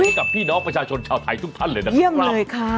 ให้กับพี่น้องประชาชนชาวไทยทุกท่านเลยนะครับเยี่ยมมากเลยค่ะ